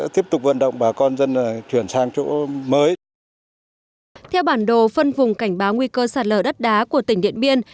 theo bản đồ phân vùng cảnh báo nguy cơ sạt lở đất đá của tỉnh điện biên